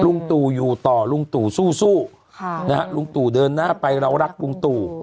ลุงตู่อยู่ต่อลุงตู่สู้สู้ค่ะนะฮะลุงตู่เดินหน้าไปเรารักลุงตู่